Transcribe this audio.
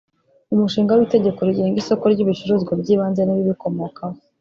Umushinga w’Itegeko rigenga isoko ry’ibicuruzwa by’ibanze n’ibibikomokaho